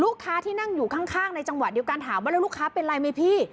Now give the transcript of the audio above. ที่นั่งอยู่ข้างในจังหวะเดียวกันถามว่าแล้วลูกค้าเป็นไรไหมพี่